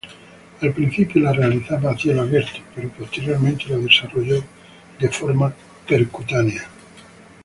Al principio la realizaba a "cielo abierto", pero posteriormente la desarrolló de forma percutánea.